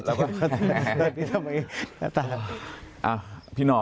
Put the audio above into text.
ตอนนี้ทำไม